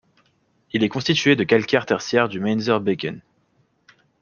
Il est constitué de calcaires tertiares du Mainzer Becken.